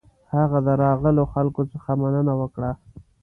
هغه د راغلو خلکو څخه مننه وکړه.